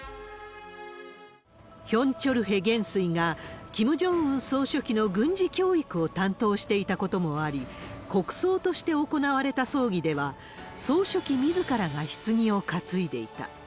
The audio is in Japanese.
ヒョン・チョルへ元帥がキム・ジョンウン総書記の軍事教育を担当していたこともあり、国葬として行われた葬儀では、総書記みずからがひつぎを担いでいた。